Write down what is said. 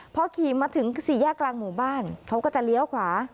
พอขี่มาถึงสี่แยกกลางหมู่บ้านเขาก็จะเลี้ยวขวา